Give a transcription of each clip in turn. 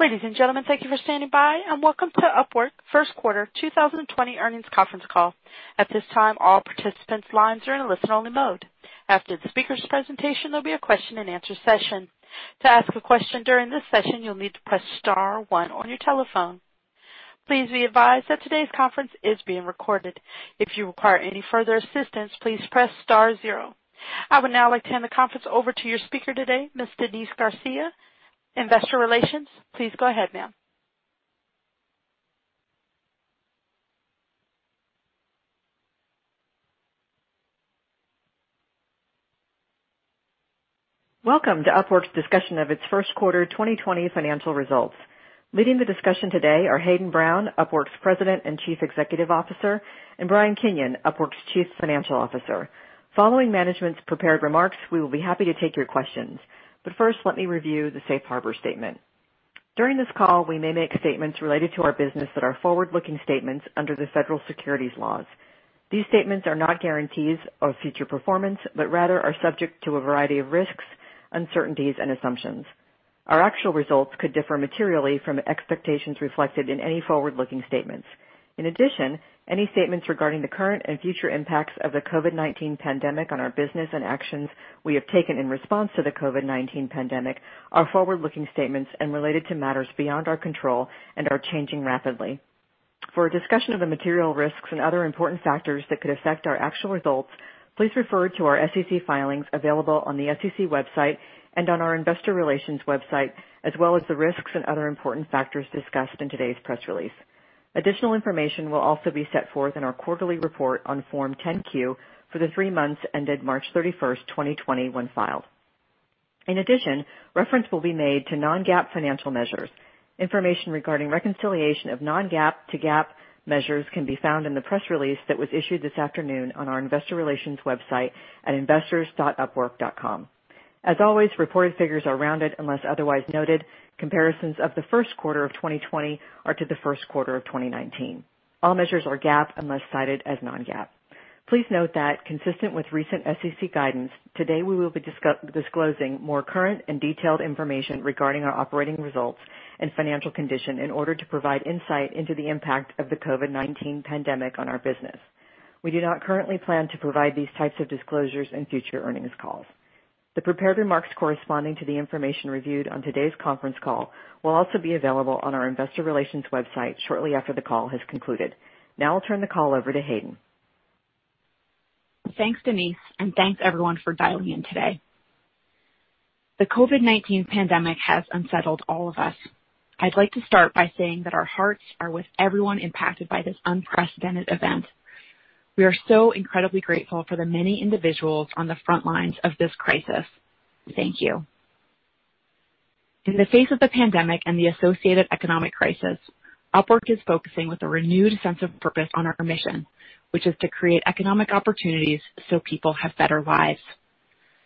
Ladies and gentlemen, thank you for standing by, and welcome to Upwork first quarter 2020 earnings conference call. At this time, all participants' lines are in a listen-only mode. After the speaker's presentation, there'll be a question-and-answer session. To ask a question during this session, you'll need to press star one on your telephone. Please be advised that today's conference is being recorded. If you require any further assistance, please press star zero. I would now like to hand the conference over to your speaker today, Ms. Denise Garcia, investor relations. Please go ahead, ma'am. Welcome to Upwork's discussion of its first quarter 2020 financial results. Leading the discussion today are Hayden Brown, Upwork's President and Chief Executive Officer, and Brian Kinion, Upwork's Chief Financial Officer. First, let me review the safe harbor statement. During this call, we may make statements related to our business that are forward-looking statements under the federal securities laws. These statements are not guarantees of future performance, but rather are subject to a variety of risks, uncertainties, and assumptions. Our actual results could differ materially from the expectations reflected in any forward-looking statements. In addition, any statements regarding the current and future impacts of the COVID-19 pandemic on our business and actions we have taken in response to the COVID-19 pandemic are forward-looking statements and related to matters beyond our control and are changing rapidly. For a discussion of the material risks and other important factors that could affect our actual results, please refer to our SEC filings available on the SEC website and on our investor relations website, as well as the risks and other important factors discussed in today's press release. Additional information will also be set forth in our quarterly report on Form 10-Q for the three months ended March 31st, 2020, when filed. In addition, reference will be made to non-GAAP financial measures. Information regarding reconciliation of non-GAAP to GAAP measures can be found in the press release that was issued this afternoon on our investor relations website at investors.upwork.com. As always, reported figures are rounded unless otherwise noted. Comparisons of the first quarter of 2020 are to the first quarter of 2019. All measures are GAAP unless cited as non-GAAP. Please note that consistent with recent SEC guidance, today we will be disclosing more current and detailed information regarding our operating results and financial condition in order to provide insight into the impact of the COVID-19 pandemic on our business. We do not currently plan to provide these types of disclosures in future earnings calls. The prepared remarks corresponding to the information reviewed on today's conference call will also be available on our investor relations website shortly after the call has concluded. I'll turn the call over to Hayden. Thanks, Denise, and thanks everyone for dialing in today. The COVID-19 pandemic has unsettled all of us. I'd like to start by saying that our hearts are with everyone impacted by this unprecedented event. We are so incredibly grateful for the many individuals on the front lines of this crisis. Thank you. In the face of the pandemic and the associated economic crisis, Upwork is focusing with a renewed sense of purpose on our mission, which is to create economic opportunities so people have better lives.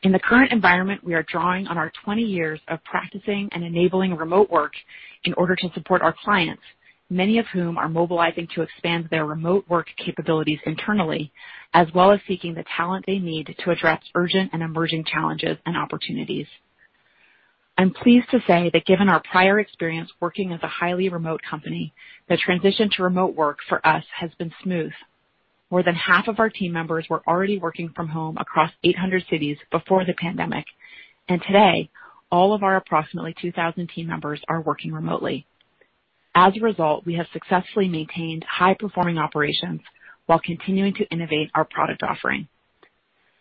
In the current environment, we are drawing on our 20 years of practicing and enabling remote work in order to support our clients, many of whom are mobilizing to expand their remote work capabilities internally, as well as seeking the talent they need to address urgent and emerging challenges and opportunities. I'm pleased to say that given our prior experience working as a highly remote company, the transition to remote work for us has been smooth. More than half of our team members were already working from home across 800 cities before the pandemic, and today, all of our approximately 2,000 team members are working remotely. As a result, we have successfully maintained high-performing operations while continuing to innovate our product offering.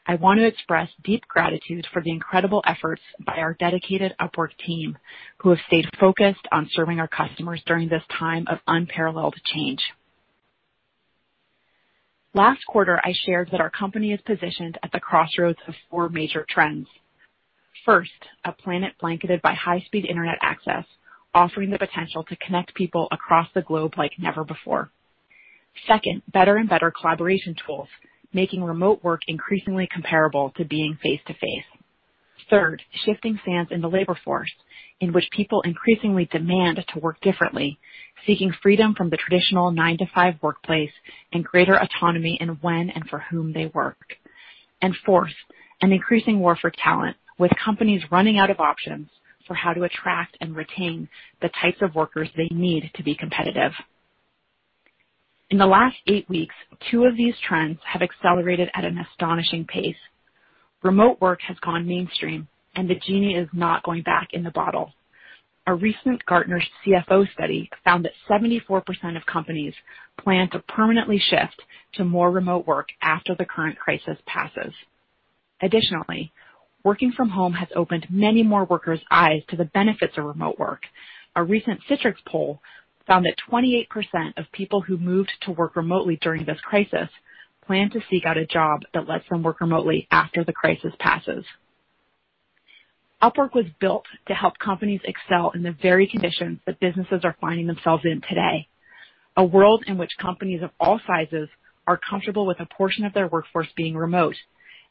I want to express deep gratitude for the incredible efforts by our dedicated Upwork team, who have stayed focused on serving our customers during this time of unparalleled change. Last quarter, I shared that our company is positioned at the crossroads of four major trends. First, a planet blanketed by high-speed internet access, offering the potential to connect people across the globe like never before. Second, better and better collaboration tools, making remote work increasingly comparable to being face-to-face. Third, shifting sands in the labor force in which people increasingly demand to work differently, seeking freedom from the traditional nine-to-five workplace and greater autonomy in when and for whom they work. Fourth, an increasing war for talent, with companies running out of options for how to attract and retain the types of workers they need to be competitive. In the last eight weeks, two of these trends have accelerated at an astonishing pace. Remote work has gone mainstream, and the genie is not going back in the bottle. A recent Gartner CFO study found that 74% of companies plan to permanently shift to more remote work after the current crisis passes. Additionally, working from home has opened many more workers' eyes to the benefits of remote work. A recent Citrix poll found that 28% of people who moved to work remotely during this crisis plan to seek out a job that lets them work remotely after the crisis passes. Upwork was built to help companies excel in the very conditions that businesses are finding themselves in today, a world in which companies of all sizes are comfortable with a portion of their workforce being remote,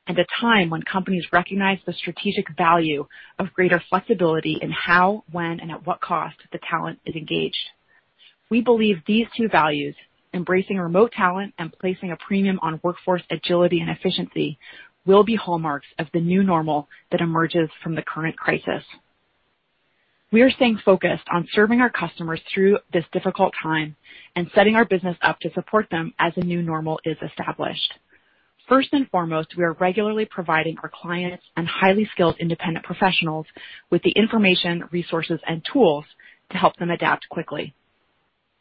at a time when companies recognize the strategic value of greater flexibility in how, when, and at what cost the talent is engaged. We believe these two values, embracing remote talent and placing a premium on workforce agility and efficiency, will be hallmarks of the new normal that emerges from the current crisis. We are staying focused on serving our customers through this difficult time and setting our business up to support them as a new normal is established. First and foremost, we are regularly providing our clients and highly skilled independent professionals with the information, resources, and tools to help them adapt quickly.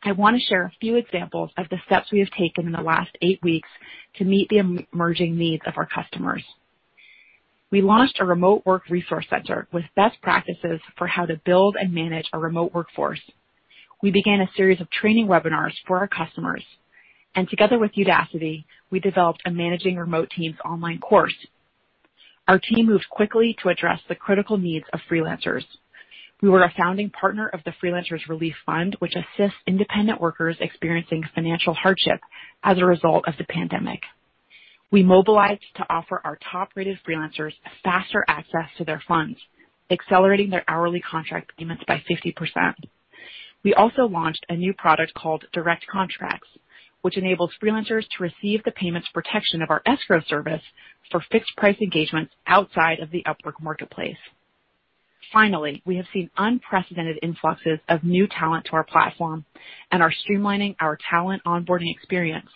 I want to share a few examples of the steps we have taken in the last eight weeks to meet the emerging needs of our customers. We launched a remote work resource center with best practices for how to build and manage a remote workforce. We began a series of training webinars for our customers, and together with Udacity, we developed a Managing Remote Teams online course. Our team moved quickly to address the critical needs of freelancers. We were a founding partner of the Freelancers Relief Fund, which assists independent workers experiencing financial hardship as a result of the pandemic. We mobilized to offer our top-rated freelancers faster access to their funds, accelerating their hourly contract payments by 50%. We also launched a new product called Direct Contracts, which enables freelancers to receive the payments protection of our escrow service for fixed price engagements outside of the Upwork marketplace. Finally, we have seen unprecedented influxes of new talent to our platform and are streamlining our talent onboarding experience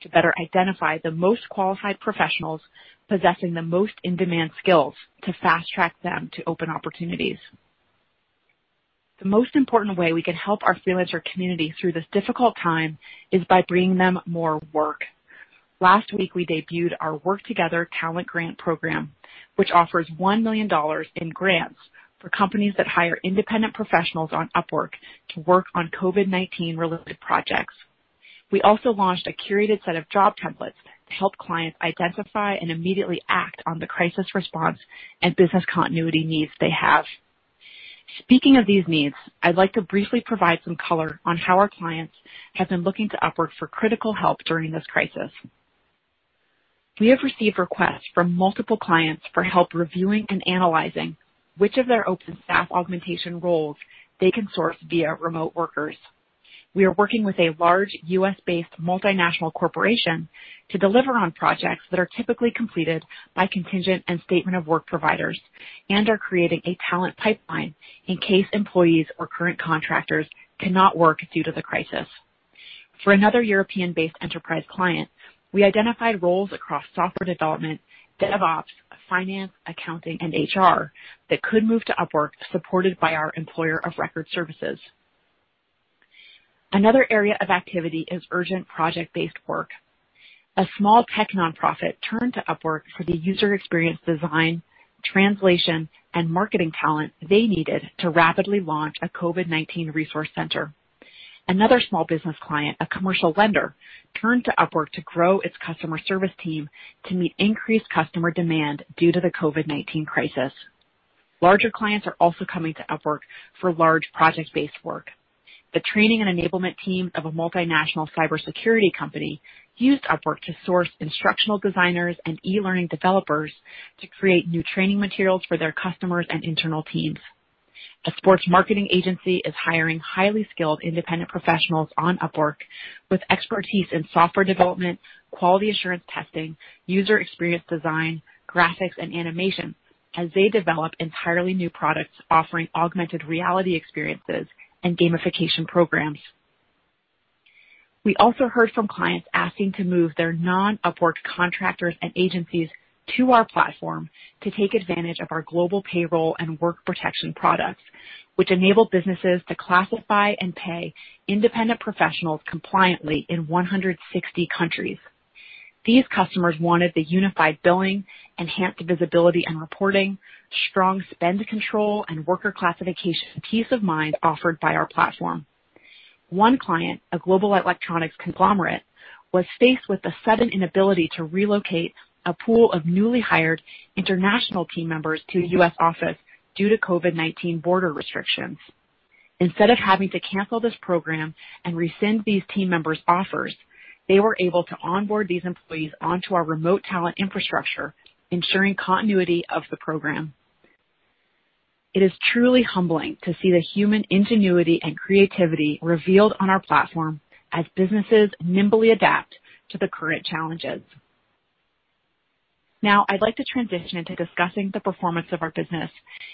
to better identify the most qualified professionals possessing the most in-demand skills to fast-track them to open opportunities. The most important way we can help our freelancer community through this difficult time is by bringing them more work. Last week, we debuted our Work Together Talent Grants program, which offers $1 million in grants for companies that hire independent professionals on Upwork to work on COVID-19 related projects. We also launched a curated set of job templates to help clients identify and immediately act on the crisis response and business continuity needs they have. Speaking of these needs, I'd like to briefly provide some color on how our clients have been looking to Upwork for critical help during this crisis. We have received requests from multiple clients for help reviewing and analyzing which of their open staff augmentation roles they can source via remote workers. We are working with a large U.S.-based multinational corporation to deliver on projects that are typically completed by contingent and statement of work providers and are creating a talent pipeline in case employees or current contractors cannot work due to the crisis. For another European-based enterprise client, we identified roles across software development, DevOps, finance, accounting, and HR that could move to Upwork, supported by our employer of record services. Another area of activity is urgent project-based work. A small tech nonprofit turned to Upwork for the user experience design, translation, and marketing talent they needed to rapidly launch a COVID-19 resource center. Another small business client, a commercial lender, turned to Upwork to grow its customer service team to meet increased customer demand due to the COVID-19 crisis. Larger clients are also coming to Upwork for large project-based work. The training and enablement team of a multinational cybersecurity company used Upwork to source instructional designers and e-learning developers to create new training materials for their customers and internal teams. A sports marketing agency is hiring highly skilled independent professionals on Upwork with expertise in software development, quality assurance testing, user experience design, graphics, and animation as they develop entirely new products offering augmented reality experiences and gamification programs. We also heard from clients asking to move their non-Upwork contractors and agencies to our platform to take advantage of our global payroll and work protection products, which enable businesses to classify and pay independent professionals compliantly in 160 countries. These customers wanted the unified billing, enhanced visibility and reporting, strong spend control, and worker classification peace of mind offered by our platform. One client, a global electronics conglomerate, was faced with the sudden inability to relocate a pool of newly hired international team members to a U.S. office due to COVID-19 border restrictions. Instead of having to cancel this program and rescind these team members' offers, they were able to onboard these employees onto our remote talent infrastructure, ensuring continuity of the program. It is truly humbling to see the human ingenuity and creativity revealed on our platform as businesses nimbly adapt to the current challenges. Now, I'd like to transition into discussing the performance of our business,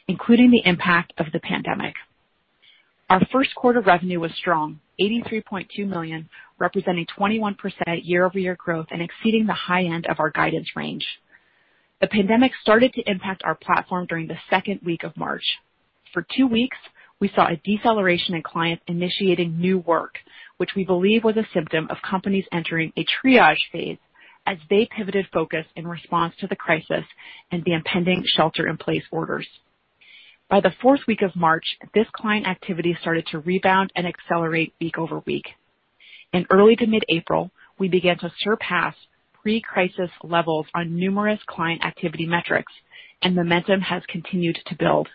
including the impact of the pandemic. Our first quarter revenue was strong, $83.2 million, representing 21% year-over-year growth and exceeding the high end of our guidance range. The pandemic started to impact our platform during the second week of March. For two weeks, we saw a deceleration in clients initiating new work, which we believe was a symptom of companies entering a triage phase as they pivoted focus in response to the crisis and the impending shelter in place orders. By the fourth week of March, this client activity started to rebound and accelerate week-over-week. In early to mid-April, we began to surpass pre-crisis levels on numerous client activity metrics, and momentum has continued to build.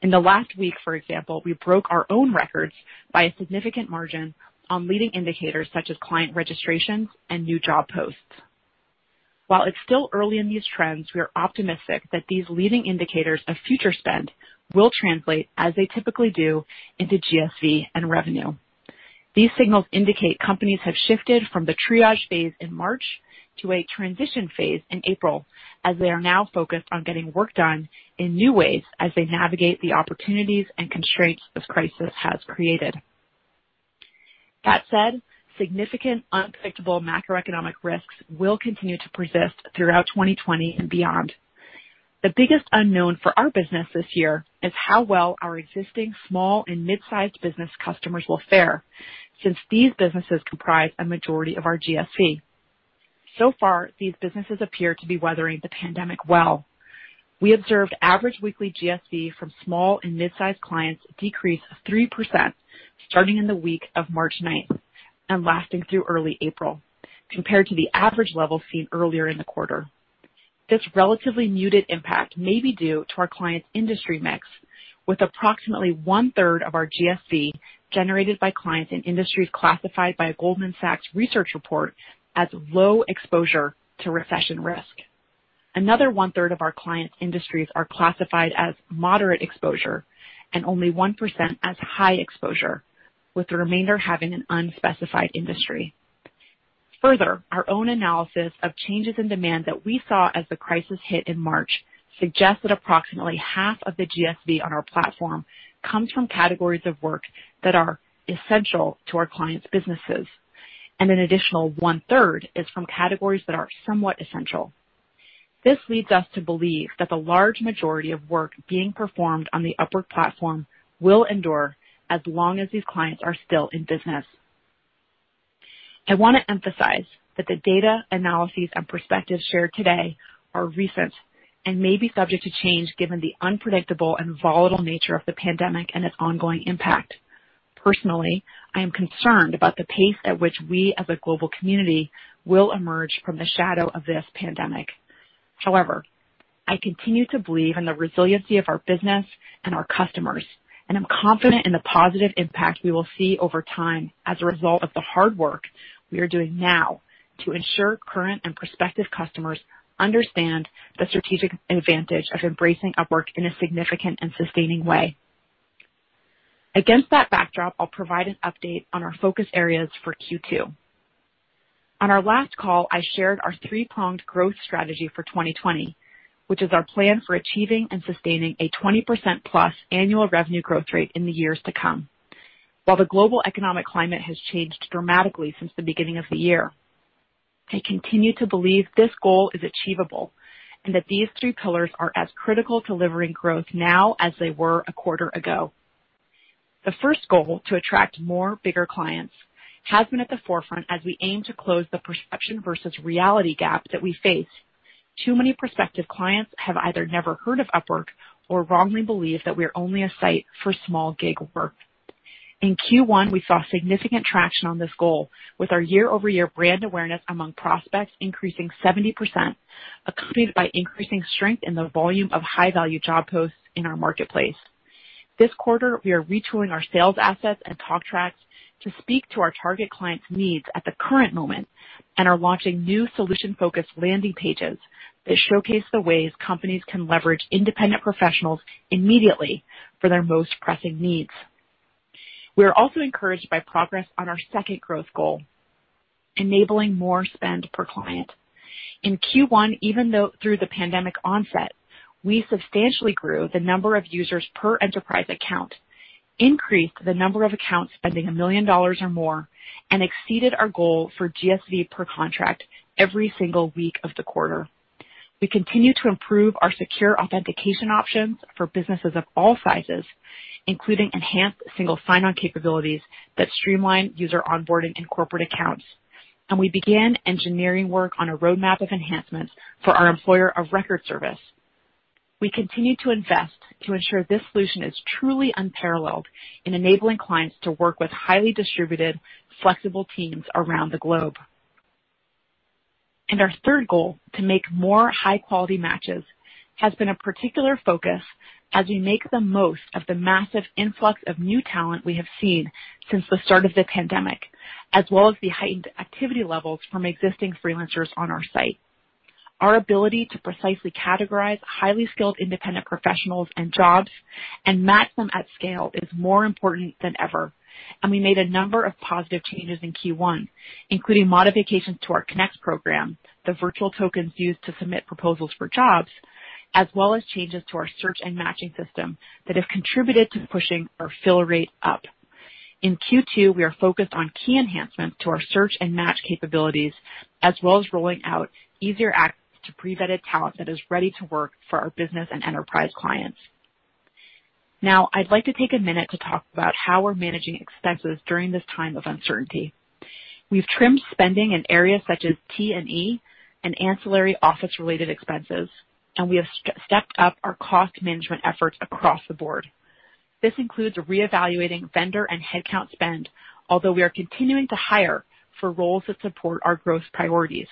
In the last week, for example, we broke our own records by a significant margin on leading indicators such as client registrations and new job posts. While it's still early in these trends, we are optimistic that these leading indicators of future spend will translate, as they typically do, into GSV and revenue. These signals indicate companies have shifted from the triage phase in March to a transition phase in April, as they are now focused on getting work done in new ways as they navigate the opportunities and constraints this crisis has created. That said, significant unpredictable macroeconomic risks will continue to persist throughout 2020 and beyond. The biggest unknown for our business this year is how well our existing small and mid-sized business customers will fare since these businesses comprise a majority of our GSV. So far, these businesses appear to be weathering the pandemic well. We observed average weekly GSV from small and mid-sized clients decrease 3% starting in the week of March 9th and lasting through early April compared to the average level seen earlier in the quarter. This relatively muted impact may be due to our clients' industry mix, with approximately 1/3 of our GSV generated by clients in industries classified by a Goldman Sachs research report as low exposure to recession risk. Another 1/3 of our client industries are classified as moderate exposure and only 1% as high exposure, with the remainder having an unspecified industry. Further, our own analysis of changes in demand that we saw as the crisis hit in March suggests that approximately half of the GSV on our platform comes from categories of work that are essential to our clients' businesses, and an additional 1/3 is from categories that are somewhat essential. This leads us to believe that the large majority of work being performed on the Upwork platform will endure as long as these clients are still in business. I want to emphasize that the data analyses and perspectives shared today are recent and may be subject to change given the unpredictable and volatile nature of the pandemic and its ongoing impact. Personally, I am concerned about the pace at which we as a global community will emerge from the shadow of this pandemic. However, I continue to believe in the resiliency of our business and our customers, and I'm confident in the positive impact we will see over time as a result of the hard work we are doing now to ensure current and prospective customers understand the strategic advantage of embracing Upwork in a significant and sustaining way. Against that backdrop, I will provide an update on our focus areas for Q2. On our last call, I shared our three-pronged growth strategy for 2020, which is our plan for achieving and sustaining a 20%+ annual revenue growth rate in the years to come. While the global economic climate has changed dramatically since the beginning of the year, I continue to believe this goal is achievable and that these three pillars are as critical to delivering growth now as they were a quarter ago. The first goal, to attract more bigger clients, has been at the forefront as we aim to close the perception versus reality gap that we face. Too many prospective clients have either never heard of Upwork or wrongly believe that we are only a site for small gig work. In Q1, we saw significant traction on this goal with our year-over-year brand awareness among prospects increasing 70%, accompanied by increasing strength in the volume of high-value job posts in our marketplace. This quarter, we are retooling our sales assets and talk tracks to speak to our target clients' needs at the current moment and are launching new solution-focused landing pages that showcase the ways companies can leverage independent professionals immediately for their most pressing needs. We are also encouraged by progress on our second growth goal, enabling more spend per client. In Q1, even through the pandemic onset, we substantially grew the number of users per enterprise account, increased the number of accounts spending $1 million or more, and exceeded our goal for GSV per contract every single week of the quarter. We continue to improve our secure authentication options for businesses of all sizes, including enhanced single sign-on capabilities that streamline user onboarding and corporate accounts. We began engineering work on a roadmap of enhancements for our employer of record service. We continue to invest to ensure this solution is truly unparalleled in enabling clients to work with highly distributed, flexible teams around the globe. Our third goal, to make more high-quality matches, has been a particular focus as we make the most of the massive influx of new talent we have seen since the start of the pandemic, as well as the heightened activity levels from existing freelancers on our site. Our ability to precisely categorize highly skilled independent professionals and jobs and match them at scale is more important than ever, and we made a number of positive changes in Q1, including modifications to our Connects program, the virtual tokens used to submit proposals for jobs, as well as changes to our search and matching system that have contributed to pushing our fill rate up. In Q2, we are focused on key enhancements to our search and match capabilities, as well as rolling out easier access to pre-vetted talent that is ready to work for our business and enterprise clients. Now, I'd like to take one minute to talk about how we're managing expenses during this time of uncertainty. We've trimmed spending in areas such as T&E and ancillary office-related expenses, and we have stepped up our cost management efforts across the board. This includes reevaluating vendor and headcount spend, although we are continuing to hire for roles that support our growth priorities.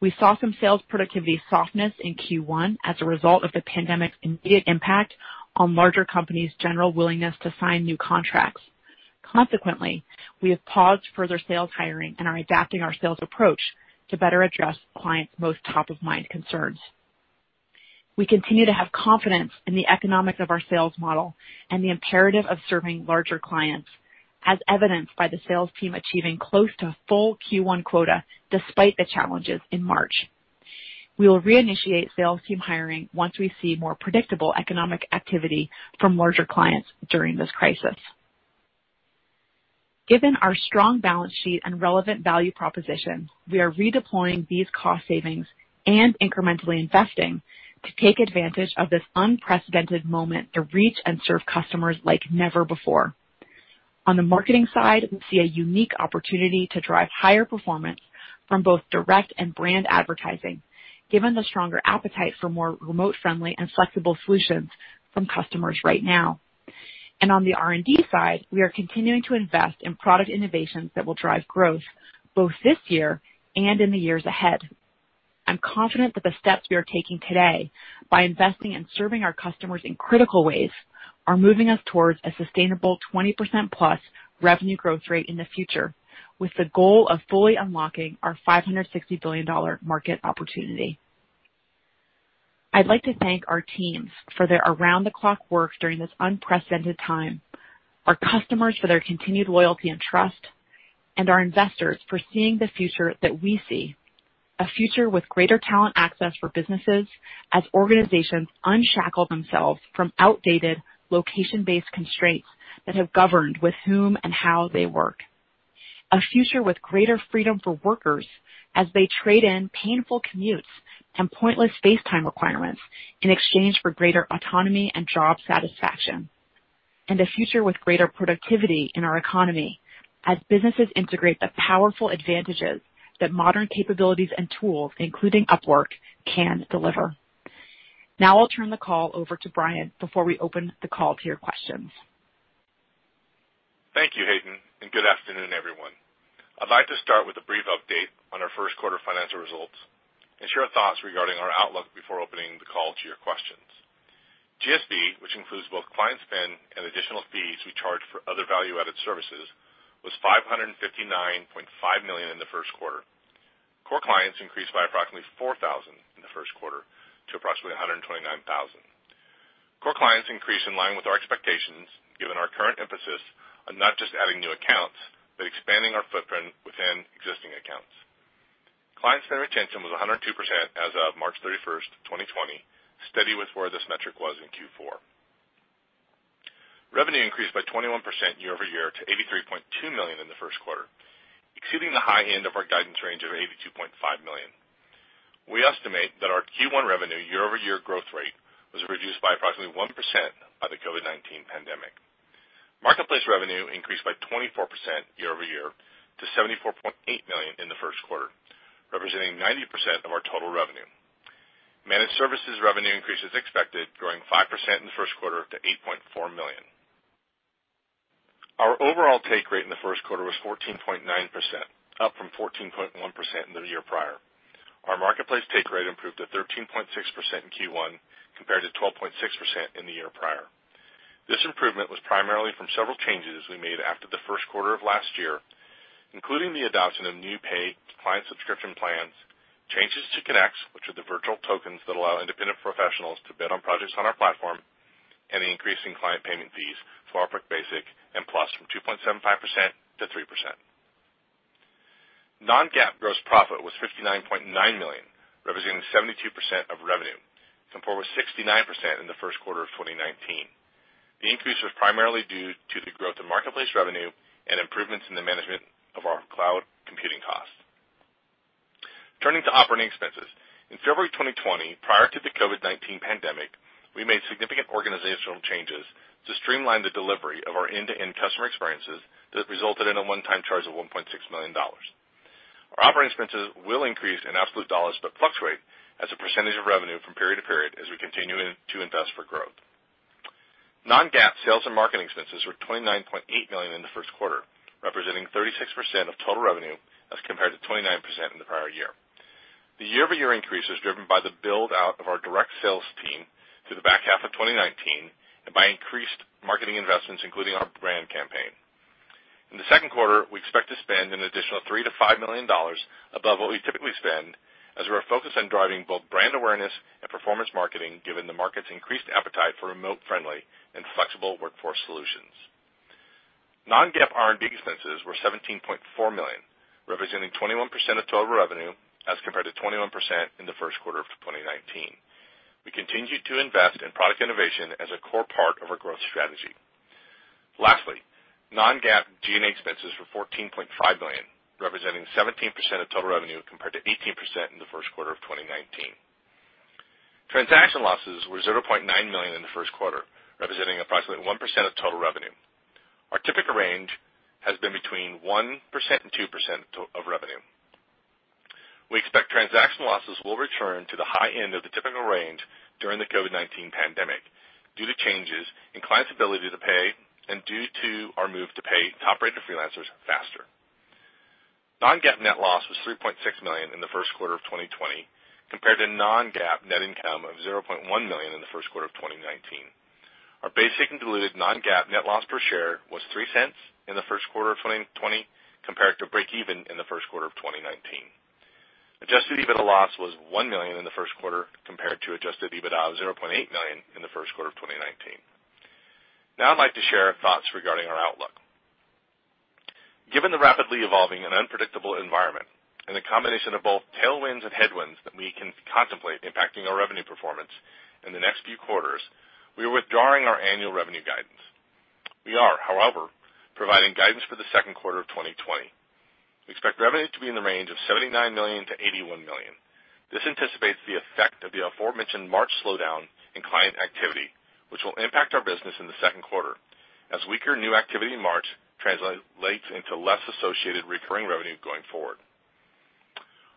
We saw some sales productivity softness in Q1 as a result of the pandemic's immediate impact on larger companies' general willingness to sign new contracts. We have paused further sales hiring and are adapting our sales approach to better address clients' most top-of-mind concerns. We continue to have confidence in the economics of our sales model and the imperative of serving larger clients, as evidenced by the sales team achieving close to full Q1 quota despite the challenges in March. We will reinitiate sales team hiring once we see more predictable economic activity from larger clients during this crisis. Given our strong balance sheet and relevant value proposition, we are redeploying these cost savings and incrementally investing to take advantage of this unprecedented moment to reach and serve customers like never before. On the marketing side, we see a unique opportunity to drive higher performance from both direct and brand advertising, given the stronger appetite for more remote-friendly and flexible solutions from customers right now. On the R&D side, we are continuing to invest in product innovations that will drive growth both this year and in the years ahead. I'm confident that the steps we are taking today by investing in serving our customers in critical ways are moving us towards a sustainable 20%+ revenue growth rate in the future, with the goal of fully unlocking our $560 billion market opportunity. I'd like to thank our teams for their around-the-clock work during this unprecedented time, our customers for their continued loyalty and trust, and our investors for seeing the future that we see. A future with greater talent access for businesses as organizations unshackle themselves from outdated location-based constraints that have governed with whom and how they work. A future with greater freedom for workers as they trade in painful commutes and pointless face time requirements in exchange for greater autonomy and job satisfaction. A future with greater productivity in our economy as businesses integrate the powerful advantages that modern capabilities and tools, including Upwork, can deliver. Now I'll turn the call over to Brian before we open the call to your questions. Thank you, Hayden, and good afternoon, everyone. I'd like to start with a brief update on our first quarter financial results and share our thoughts regarding our outlook before opening the call to your questions. GSV, which includes both client spend and additional fees we charge for other value-added services, was $559.5 million in the first quarter. Core clients increased by approximately 4,000 in the first quarter to approximately 129,000. Core clients increased in line with our expectations, given our current emphasis on not just adding new accounts, but expanding our footprint within existing accounts. Client spend retention was 102% as of March 31st, 2020, steady with where this metric was in Q4. Revenue increased by 21% year-over-year to $83.2 million in the first quarter, exceeding the high end of our guidance range of $82.5 million. We estimate that our Q1 revenue year-over-year growth rate was reduced by approximately 1% by the COVID-19 pandemic. Marketplace revenue increased by 24% year-over-year to $74.8 million in the first quarter, representing 90% of our total revenue. Managed services revenue increase as expected, growing 5% in the first quarter to $8.4 million. Our overall take rate in the first quarter was 14.9%, up from 14.1% in the year prior. Our marketplace take rate improved to 13.6% in Q1, compared to 12.6% in the year prior. This improvement was primarily from several changes we made after the first quarter of last year, including the adoption of new paid client subscription plans, changes to Connects, which are the virtual tokens that allow independent professionals to bid on projects on our platform, and the increase in client payment fees for Upwork Basic and Plus from 2.75% to 3%. Non-GAAP gross profit was $59.9 million, representing 72% of revenue, compared with 69% in the first quarter of 2019. The increase was primarily due to the growth in marketplace revenue and improvements in the management of our cloud computing costs. Turning to operating expenses. In February 2020, prior to the COVID-19 pandemic, we made significant organizational changes to streamline the delivery of our end-to-end customer experiences that resulted in a one-time charge of $1.6 million. Our operating expenses will increase in absolute dollars, but fluctuate as a percentage of revenue from period to period as we continue to invest for growth. Non-GAAP sales and marketing expenses were $29.8 million in the first quarter, representing 36% of total revenue as compared to 29% in the prior year. The year-over-year increase is driven by the build-out of our direct sales team through the back half of 2019 and by increased marketing investments, including our brand campaign. In the second quarter, we expect to spend an additional $3 million-$5 million above what we typically spend as we're focused on driving both brand awareness and performance marketing, given the market's increased appetite for remote-friendly and flexible workforce solutions. non-GAAP R&D expenses were $17.4 million, representing 21% of total revenue as compared to 21% in the first quarter of 2019. We continue to invest in product innovation as a core part of our growth strategy. Lastly, non-GAAP G&A expenses were $14.5 million, representing 17% of total revenue, compared to 18% in the first quarter of 2019. Transaction losses were $0.9 million in the first quarter, representing approximately 1% of total revenue. Our typical range has been between 1% and 2% of revenue. We expect transaction losses will return to the high end of the typical range during the COVID-19 pandemic due to changes in clients' ability to pay and due to our move to pay top-rated freelancers faster. Non-GAAP net loss was $3.6 million in the first quarter of 2020 compared to non-GAAP net income of $0.1 million in the first quarter of 2019. Our basic and diluted non-GAAP net loss per share was $0.03 in the first quarter of 2020 compared to breakeven in the first quarter of 2019. Adjusted EBITDA loss was $1 million in the first quarter compared to adjusted EBITDA of $0.8 million in the first quarter of 2019. Now I'd like to share thoughts regarding our outlook. Given the rapidly evolving and unpredictable environment and the combination of both tailwinds and headwinds that we can contemplate impacting our revenue performance in the next few quarters, we are withdrawing our annual revenue guidance. We are, however, providing guidance for the second quarter of 2020. We expect revenue to be in the range of $79 million-$81 million. This anticipates the effect of the aforementioned March slowdown in client activity, which will impact our business in the second quarter as weaker new activity in March translates into less associated recurring revenue going forward.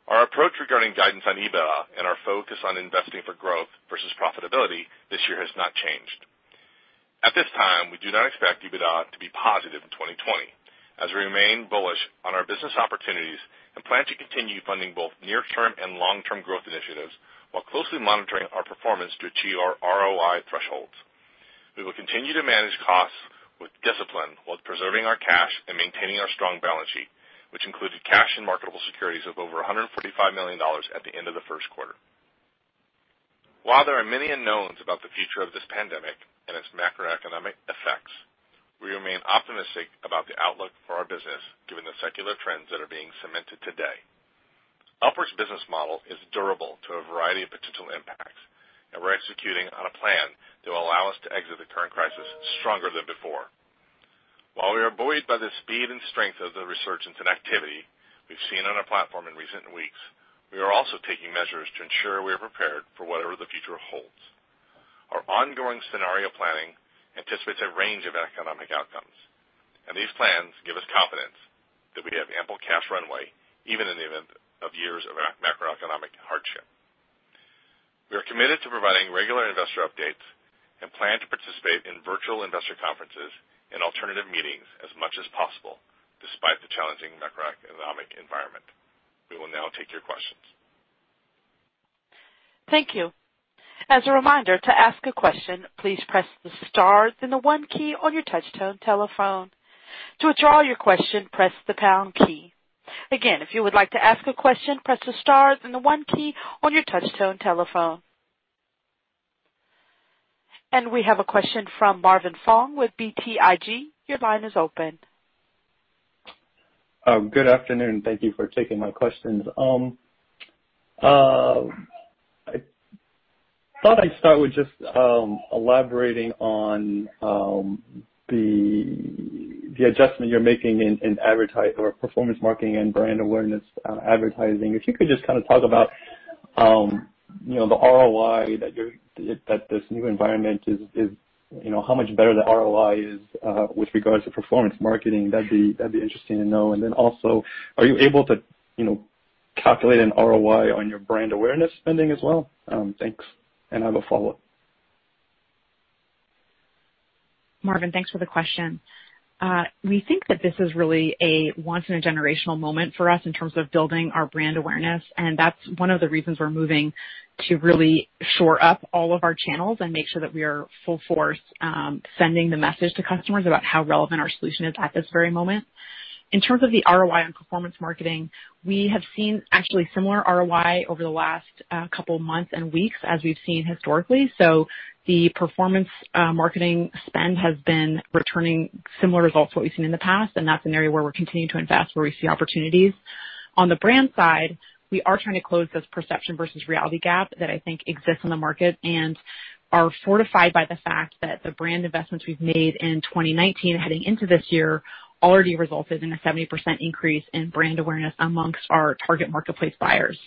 Our approach regarding guidance on EBITDA and our focus on investing for growth versus profitability this year has not changed. At this time, we do not expect EBITDA to be positive in 2020, as we remain bullish on our business opportunities and plan to continue funding both near-term and long-term growth initiatives while closely monitoring our performance to achieve our ROI thresholds. We will continue to manage costs with discipline while preserving our cash and maintaining our strong balance sheet, which included cash and marketable securities of over $145 million at the end of the first quarter. While there are many unknowns about the future of this pandemic and its macroeconomic effects, we remain optimistic about the outlook for our business given the secular trends that are being cemented today. Upwork's business model is durable to a variety of potential impacts, and we're executing on a plan that will allow us to exit the current crisis stronger than before. While we are buoyed by the speed and strength of the resurgence in activity we've seen on our platform in recent weeks, we are also taking measures to ensure we are prepared for whatever the future holds. Our ongoing scenario planning anticipates a range of economic outcomes, and these plans give us confidence that we have ample cash runway even in the event of years of macroeconomic hardship. We are committed to providing regular investor updates and plan to participate in virtual investor conferences and alternative meetings as much as possible, despite the challenging macroeconomic environment. We will now take your questions. Thank you. As a reminder, to ask a question, please press the star then the one key on your touch-tone telephone. To withdraw your question, press the pound key. Again, if you would like to ask a question, press the star then the one key on your touch-tone telephone. We have a question from Marvin Fong with BTIG. Your line is open. Good afternoon. Thank you for taking my questions. I thought I'd start with just elaborating on the adjustment you're making in performance marketing and brand awareness advertising. If you could just kind of talk about how much better the ROI is with regards to performance marketing, that'd be interesting to know. Then also, are you able to calculate an ROI on your brand awareness spending as well? Thanks. I have a follow-up. Marvin, thanks for the question. We think that this is really a once in a generational moment for us in terms of building our brand awareness, and that's one of the reasons we're moving to really shore up all of our channels and make sure that we are full force sending the message to customers about how relevant our solution is at this very moment. In terms of the ROI on performance marketing, we have seen actually similar ROI over the last couple of months and weeks as we've seen historically. The performance marketing spend has been returning similar results what we've seen in the past, and that's an area where we're continuing to invest, where we see opportunities. On the brand side, we are trying to close this perception versus reality gap that I think exists in the market and are fortified by the fact that the brand investments we've made in 2019 heading into this year already resulted in a 70% increase in brand awareness amongst our target marketplace buyers.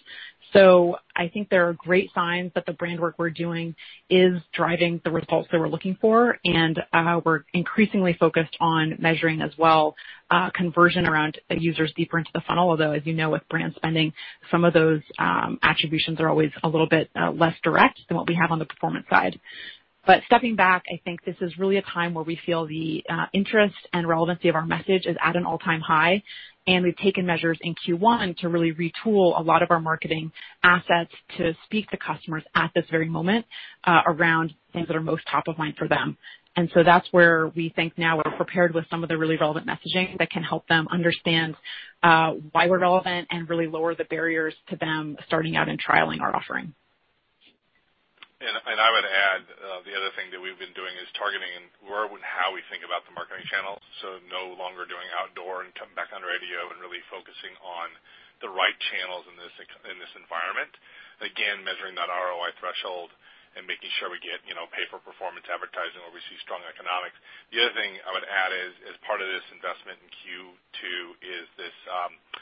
I think there are great signs that the brand work we're doing is driving the results that we're looking for, and we're increasingly focused on measuring as well conversion around users deeper into the funnel, although, as you know, with brand spending, some of those attributions are always a little bit less direct than what we have on the performance side. Stepping back, I think this is really a time where we feel the interest and relevancy of our message is at an all-time high. We've taken measures in Q1 to really retool a lot of our marketing assets to speak to customers at this very moment around things that are most top of mind for them. That's where we think now we're prepared with some of the really relevant messaging that can help them understand why we're relevant and really lower the barriers to them starting out and trialing our offering. I would add, the other thing that we've been doing is targeting where and how we think about the marketing channels. No longer doing outdoor and cutting back on radio and really focusing on the right channels in this environment. Again, measuring that ROI threshold and making sure we get pay for performance advertising where we see strong economics. The other thing I would add is, as part of this investment in Q2 is this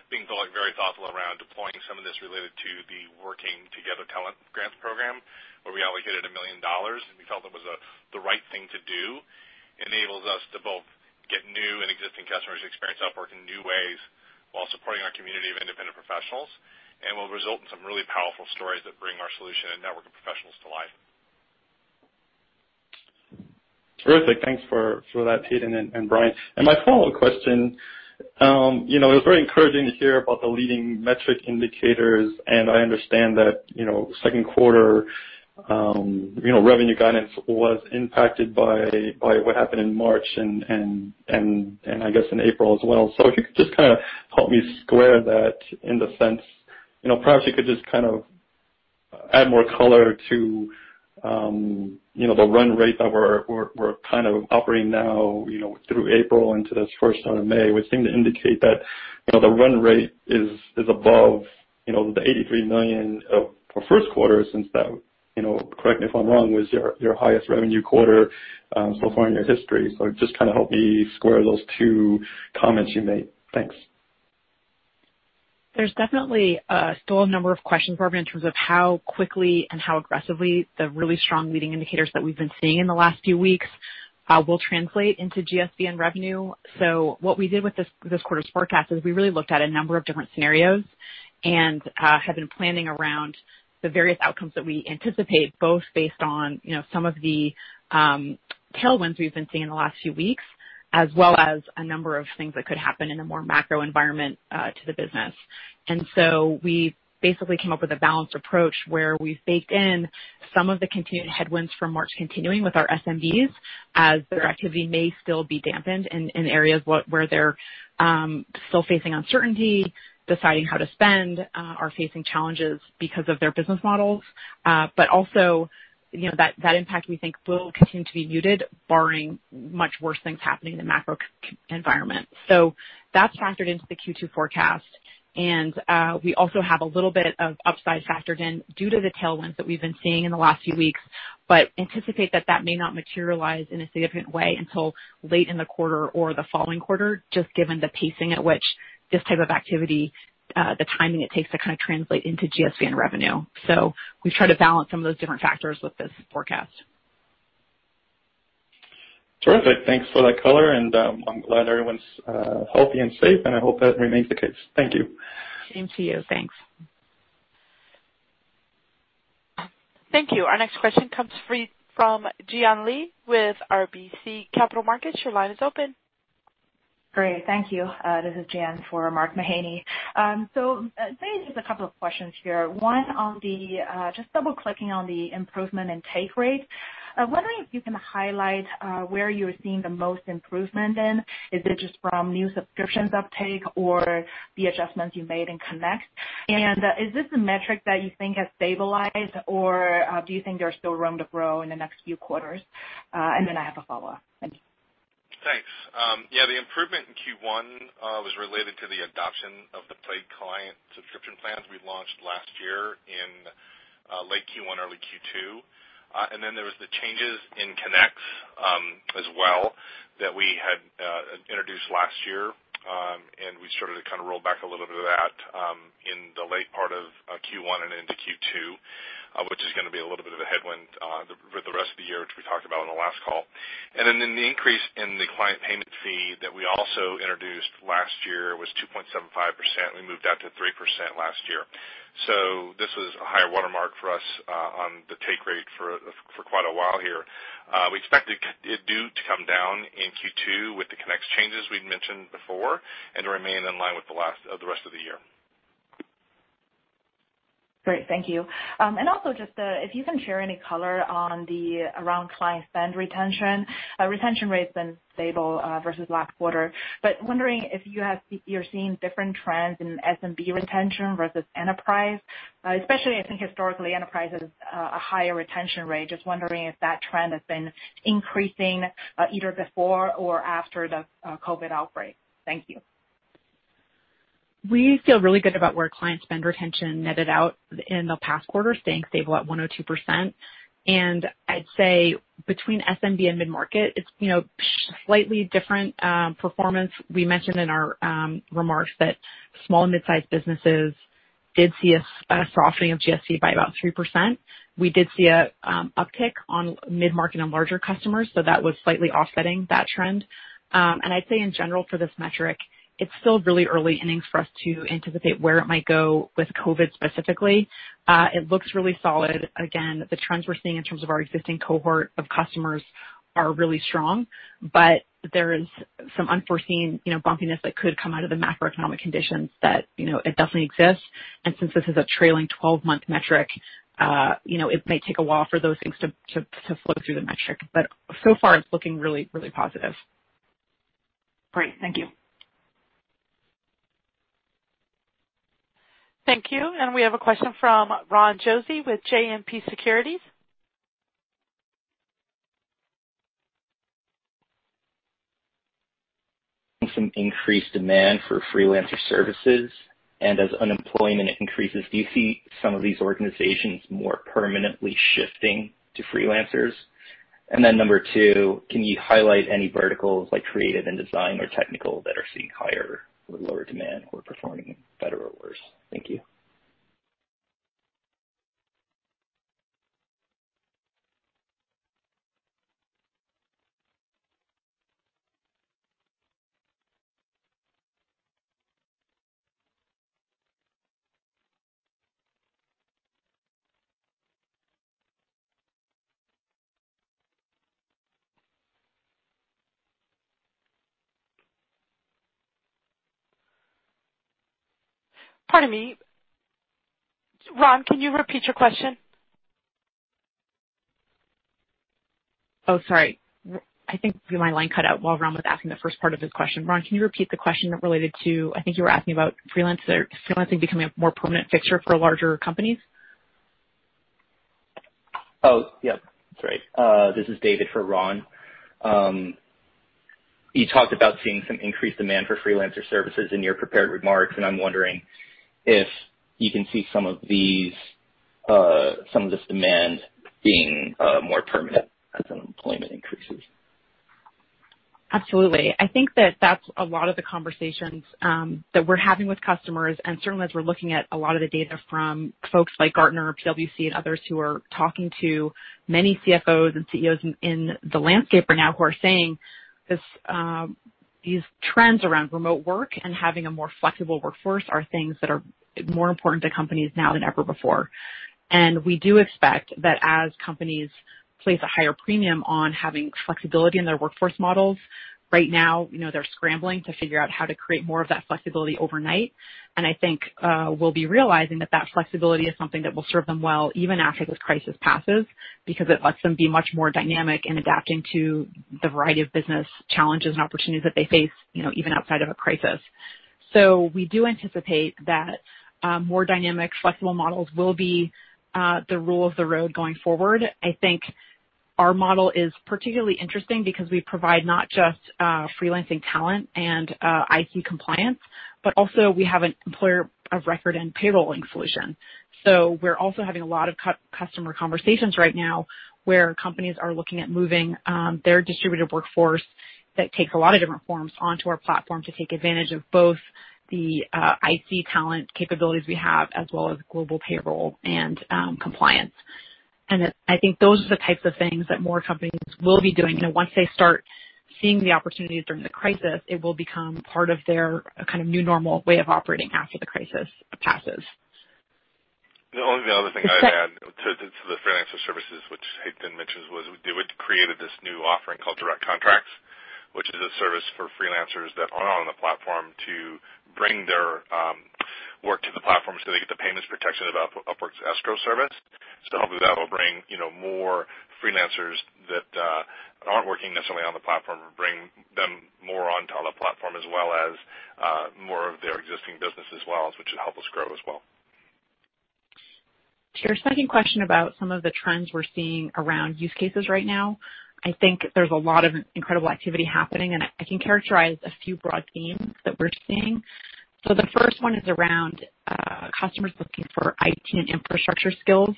being very thoughtful around deploying some of this related to the Work Together Talent Grants program, where we allocated $1 million, and we felt it was the right thing to do. Enables us to both get new and existing customers to experience Upwork in new ways while supporting our community of independent professionals and will result in some really powerful stories that bring our solution and network of professionals to life. Terrific. Thanks for that, Hayden and Brian. My follow-up question, it was very encouraging to hear about the leading metric indicators, and I understand that second quarter revenue guidance was impacted by what happened in March and I guess in April as well. If you could just help me square that in the sense, perhaps you could just add more color to the run rate that we're operating now through April into this first of May, which seem to indicate that the run rate is above the $83 million for first quarter since that, correct me if I'm wrong, was your highest revenue quarter so far in your history. Just help me square those two comments you made. Thanks. There's definitely still a number of questions for me in terms of how quickly and how aggressively the really strong leading indicators that we've been seeing in the last few weeks will translate into GSV and revenue. What we did with this quarter's forecast is we really looked at a number of different scenarios and have been planning around the various outcomes that we anticipate, both based on some of the tailwinds we've been seeing in the last few weeks, as well as a number of things that could happen in a more macro environment to the business. We basically came up with a balanced approach where we've baked in some of the continued headwinds from March continuing with our SMBs as their activity may still be dampened in areas where they're still facing uncertainty, deciding how to spend, are facing challenges because of their business models. Also, that impact, we think, will continue to be muted barring much worse things happening in the macro environment. That's factored into the Q2 forecast. We also have a little bit of upside factored in due to the tailwinds that we've been seeing in the last few weeks, but anticipate that that may not materialize in a significant way until late in the quarter or the following quarter, just given the pacing at which this type of activity, the timing it takes to translate into GSV and revenue. We try to balance some of those different factors with this forecast. Terrific. Thanks for that color, and I'm glad everyone's healthy and safe, and I hope that remains the case. Thank you. Same to you. Thanks. Thank you. Our next question comes from Jian Li with RBC Capital Markets. Your line is open. Great. Thank you. This is Jian for Mark Mahaney. Maybe just a couple of questions here. Just double-clicking on the improvement in take rate. I'm wondering if you can highlight where you're seeing the most improvement in. Is it just from new subscriptions uptake or the adjustments you made in Connect? Is this a metric that you think has stabilized, or do you think there's still room to grow in the next few quarters? I have a follow-up. Thank you. Thanks. Yeah, the improvement in Q1 was related to the adoption of the paid client subscription plans we launched last year in late Q1, early Q2. There was the changes in Connect as well that we had introduced last year, and we started to roll back a little bit of that in the late part of Q1 and into Q2, which is going to be a little bit of a headwind for the rest of the year, which we talked about on the last call. The increase in the client payment fee that we also introduced last year was 2.75%. We moved that to 3% last year. This was a high watermark for us on the take rate for quite a while here. We expect it due to come down in Q2 with the Connect changes we'd mentioned before and to remain in line with the rest of the year. Great. Thank you. Also just if you can share any color around client spend retention. Retention rate's been stable versus last quarter, but wondering if you're seeing different trends in SMB retention versus enterprise. Especially, I think historically, enterprise has a higher retention rate. Just wondering if that trend has been increasing either before or after the COVID outbreak. Thank you. We feel really good about where client spend retention netted out in the past quarter, staying stable at 102%. I'd say between SMB and mid-market, it's slightly different performance. We mentioned in our remarks that small and mid-sized businesses did see a softening of GSV by about 3%. We did see an uptick on mid-market and larger customers, that was slightly offsetting that trend. I'd say in general for this metric, it's still really early innings for us to anticipate where it might go with COVID-19 specifically. It looks really solid. Again, the trends we're seeing in terms of our existing cohort of customers are really strong, there is some unforeseen bumpiness that could come out of the macroeconomic conditions that it definitely exists. Since this is a trailing 12-month metric, it may take a while for those things to flow through the metric. So far it's looking really positive. Great. Thank you. Thank you. We have a question from Ron Josey with JMP Securities. Some increased demand for freelancer services, and as unemployment increases, do you see some of these organizations more permanently shifting to freelancers? Number 2, can you highlight any verticals like creative and design or technical that are seeing higher or lower demand or performing better or worse? Thank you. Pardon me. Ron, can you repeat your question? Oh, sorry. I think my line cut out while Ron was asking the first part of his question. Ron, can you repeat the question that related to, I think you were asking about freelancing becoming a more permanent fixture for larger companies. Oh, yep. That's right. This is David for Ron. You talked about seeing some increased demand for freelancer services in your prepared remarks. I'm wondering if you can see some of this demand being more permanent as unemployment increases? Absolutely. I think that that's a lot of the conversations that we're having with customers, and certainly as we're looking at a lot of the data from folks like Gartner, PwC, and others who are talking to many CFOs and CEOs in the landscape right now who are saying these trends around remote work and having a more flexible workforce are things that are more important to companies now than ever before. We do expect that as companies place a higher premium on having flexibility in their workforce models. Right now, they're scrambling to figure out how to create more of that flexibility overnight. I think we'll be realizing that that flexibility is something that will serve them well even after this crisis passes, because it lets them be much more dynamic in adapting to the variety of business challenges and opportunities that they face, even outside of a crisis. We do anticipate that more dynamic, flexible models will be the rule of the road going forward. I think our model is particularly interesting because we provide not just freelancing talent and IC compliance, but also we have an employer of record and payrolling solution. We're also having a lot of customer conversations right now where companies are looking at moving their distributed workforce that takes a lot of different forms onto our platform to take advantage of both the IT talent capabilities we have as well as global payroll and compliance. I think those are the types of things that more companies will be doing. Once they start seeing the opportunities during the crisis, it will become part of their kind of new normal way of operating after the crisis passes. The only other thing I'd add to the freelancer services, which Hayden mentions, was they created this new offering called Direct Contracts, which is a service for freelancers that aren't on the platform to bring their work to the platform so they get the payments protection of Upwork's Escrow service. Hopefully that'll bring more freelancers that aren't working necessarily on the platform and bring them more onto the platform as well as more of their existing business as well, which will help us grow as well. To your second question about some of the trends we're seeing around use cases right now, I think there's a lot of incredible activity happening, and I can characterize a few broad themes that we're seeing. The first one is around customers looking for IT and infrastructure skills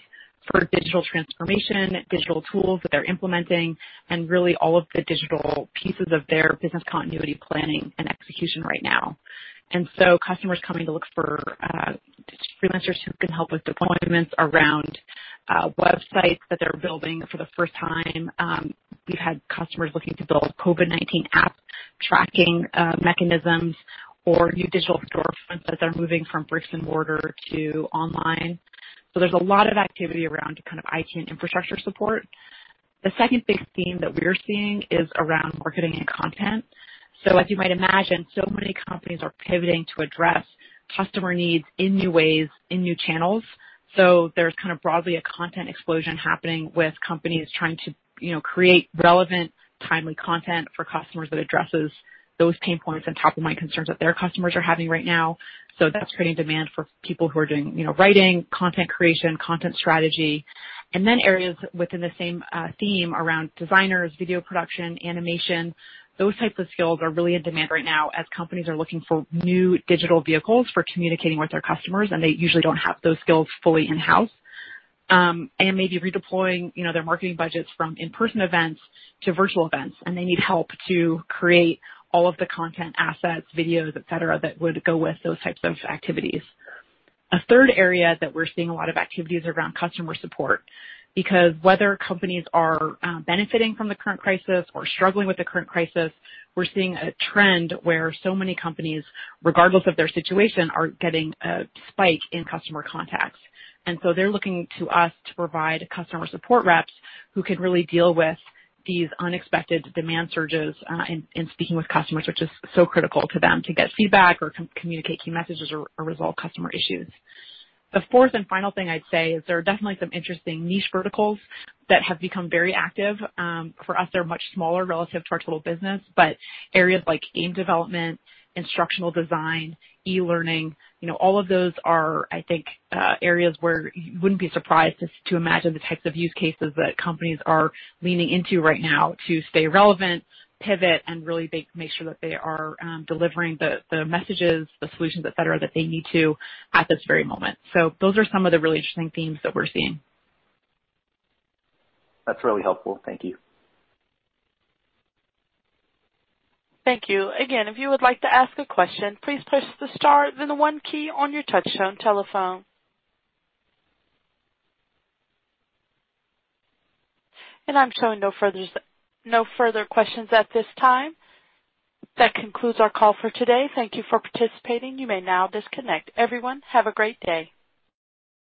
for digital transformation, digital tools that they're implementing, and really all of the digital pieces of their business continuity planning and execution right now. Customers coming to look for freelancers who can help with deployments around websites that they're building for the first time. We've had customers looking to build COVID-19 app tracking mechanisms or new digital storefronts as they're moving from bricks and mortar to online. There's a lot of activity around kind of IT and infrastructure support. The second big theme that we're seeing is around marketing and content. As you might imagine, so many companies are pivoting to address customer needs in new ways, in new channels. There's kind of broadly a content explosion happening with companies trying to create relevant, timely content for customers that addresses those pain points and top-of-mind concerns that their customers are having right now. That's creating demand for people who are doing writing, content creation, content strategy, areas within the same theme around designers, video production, animation. Those types of skills are really in demand right now as companies are looking for new digital vehicles for communicating with their customers, and they usually don't have those skills fully in-house. Maybe redeploying their marketing budgets from in-person events to virtual events, and they need help to create all of the content assets, videos, et cetera, that would go with those types of activities. A third area that we're seeing a lot of activity is around customer support, because whether companies are benefiting from the current crisis or struggling with the current crisis, we're seeing a trend where so many companies, regardless of their situation, are getting a spike in customer contacts. They're looking to us to provide customer support reps who can really deal with these unexpected demand surges in speaking with customers, which is so critical to them to get feedback or communicate key messages or resolve customer issues. The fourth and final thing I'd say is there are definitely some interesting niche verticals that have become very active. For us, they're much smaller relative to our total business, but areas like game development, instructional design, e-learning, all of those are, I think, areas where you wouldn't be surprised to imagine the types of use cases that companies are leaning into right now to stay relevant, pivot, and really make sure that they are delivering the messages, the solutions, et cetera, that they need to at this very moment. Those are some of the really interesting themes that we're seeing. That's really helpful. Thank you. Thank you. Again, if you would like to ask a question, please press the star then the one key on your touchtone telephone. I'm showing no further questions at this time. That concludes our call for today. Thank you for participating. You may now disconnect. Everyone, have a great day.